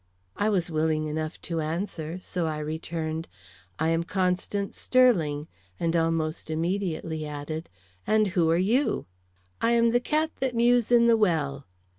I was willing enough to answer, so I returned: "I am Constance Sterling"; and almost immediately added: "And who are you?" "I am the cat that mews in the well."